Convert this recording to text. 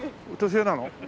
年上なの？